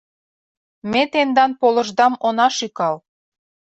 Ме тендан полышдам она шӱкал.